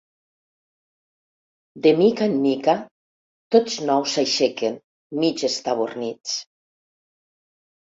De mica en mica, tots nou s'aixequen, mig estabornits.